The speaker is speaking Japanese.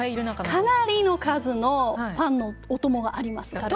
かなりの数のパンのおともがありますから。